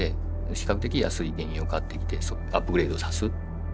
比較的安い原油を買ってきてアップグレードさす。